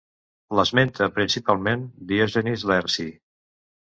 L'esmenta principalment Diògenes Laerci.